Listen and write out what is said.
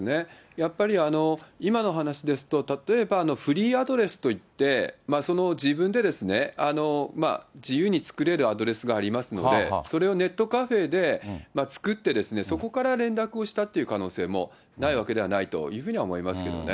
やっぱり、今の話ですと、例えばフリーアドレスといって、自分で自由に作れるアドレスがありますので、それをネットカフェで作ってですね、そこから連絡をしたという可能性もないわけではないというふうには思いますけどね。